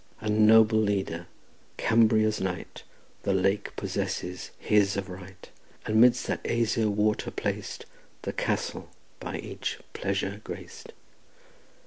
A noble leader, Cambria's knight, The lake possesses, his by right, And midst that azure water plac'd, The castle, by each pleasure grac'd.